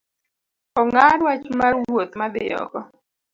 Ong’ad wach mar wuoth madhi oko